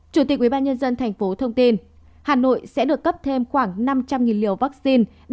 chủ tịch ubnd tp thông tin hà nội sẽ được cấp thêm khoảng năm trăm linh liều vaccine